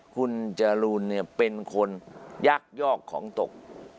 คุณจรูนเป็นคนยักยอกของตก